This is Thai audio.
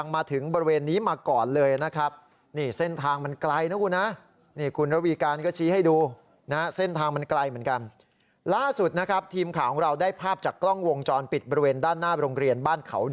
มาถึงบริเวณจุดที่พบ